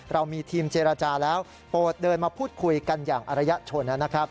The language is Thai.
เรามีทีมเจรจาแล้วโปรดเดินมาพูดคุยกันอย่างอรยชนนะครับ